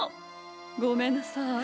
ごめんなさい。